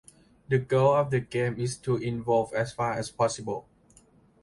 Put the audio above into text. The goal of the game is to involve as far as possible.